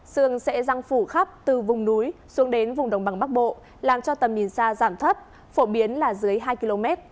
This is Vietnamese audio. sương sẽ răng phủ khắp từ vùng núi xuống đến vùng đồng bằng bắc bộ làm cho tầm nhìn xa giảm thấp phổ biến là dưới hai km